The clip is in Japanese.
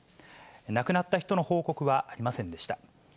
亡くなった人の報告はありませんでした。